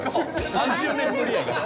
３０年ぶりやから。